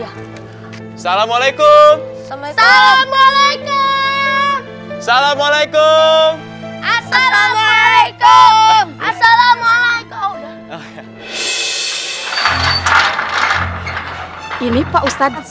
ya assalamualaikum assalamualaikum assalamualaikum assalamualaikum assalamualaikum ini pak ustadz